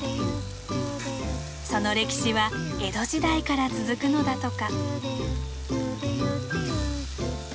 その歴史は江戸時代から続くのだとか。